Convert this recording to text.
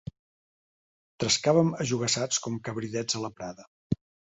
Trescàvem ajogassats com cabridets a la prada…